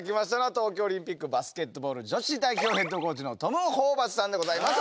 東京オリンピックバスケットボール女子代表ヘッドコーチのトム・ホーバスさんでございます。